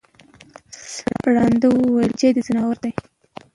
ړانده وویل بچی د ځناور دی